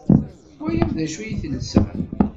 Twalam d acu i telsa?